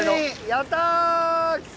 やった！